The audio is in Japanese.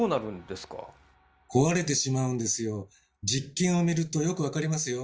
実験を見るとよく分かりますよ。